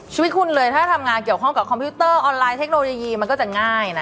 ชีวิตคุณเลยถ้าทำงานเกี่ยวข้องกับคอมพิวเตอร์ออนไลน์เทคโนโลยีมันก็จะง่ายนะ